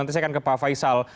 nanti saya akan ke pak faisal